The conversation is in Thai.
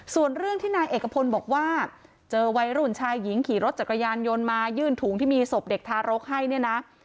ส่วนเรื่องที่นายเอกพลบอกว่าเจอวัยรุ่นชายหญิงขี่รถจักรยานยนต์มายื่นถุงที่มีศพเด็กทารกให้เนี่ยนะ